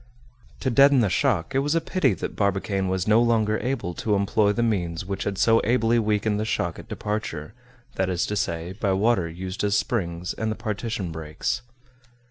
To deaden the shock, it was a pity that Barbicane was no longer able to employ the means which had so ably weakened the shock at departure, that is to say, by water used as springs and the partition breaks.